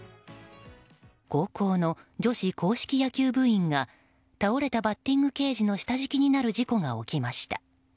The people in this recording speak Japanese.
高校の女子硬式野球部員が倒れたバッティングケージの下敷きになる事故が起きました。